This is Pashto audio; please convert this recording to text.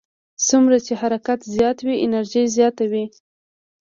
څومره چې حرکت زیات وي انرژي زیاته وي.